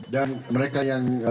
dan mereka yang